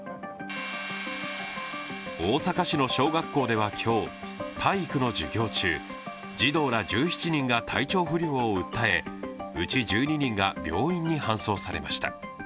大阪市の小学校では今日、体育の授業中、児童ら１７人が体調不良を訴えうち１２人が病院に搬送されました。